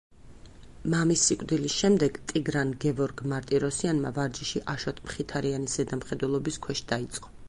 მამის სიკვდილის შემდეგ, ტიგრან გევორგ მარტიროსიანმა ვარჯიში აშოტ მხითარიანის ზედამხედველობის ქვეშ დაიწყო.